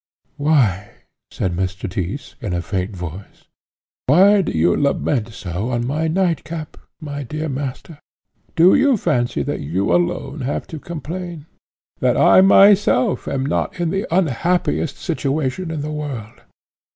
"Why," said Mr. Tyss, in a faint voice "why do you lament so on my nightcap, my dear master? Do you fancy that you alone have to complain? that I myself am not in the unhappiest situation in the world?